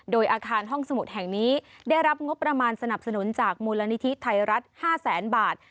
โดยอาคารห้องสมุดแห่งนี้ได้รับงบประมาณสนับสนุนจากมูลนิธิไทยรัฐ๕แสนบาท